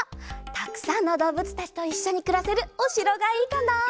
たくさんのどうぶつたちといっしょにくらせるおしろがいいかな。